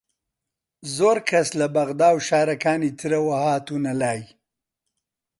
زۆر کەس لە بەغدا و شارەکانی ترەوە هاتوونە لای